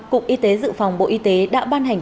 cục y tế dự phòng bộ y tế đã ban hành